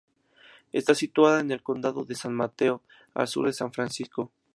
Está situada en el condado de San Mateo, al sur de San Francisco.